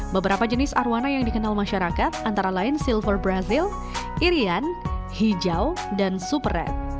beberapa jenis arwana yang dikenal masyarakat antara lain silver brazil irian hijau dan super red